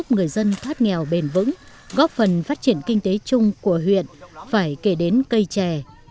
người dân thoát nghèo bền vững góp phần phát triển kinh tế chung của huyện phải kể đến cây chè